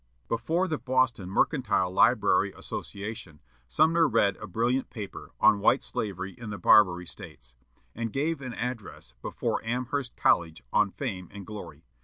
Before the Boston Mercantile Library Association, Sumner read a brilliant paper on "White Slavery in the Barbary States," and gave an address before Amherst College on "Fame and Glory."